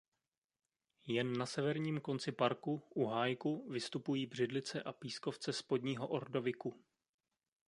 Jen na severním konci parku u Hájku vystupují břidlice a pískovce spodního ordoviku.